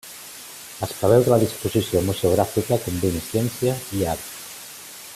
Es preveu que la disposició museogràfica combini ciència i art.